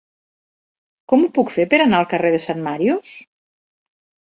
Com ho puc fer per anar al carrer de Sant Màrius?